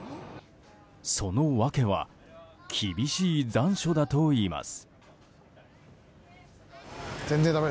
その訳は厳しい残暑だといいます。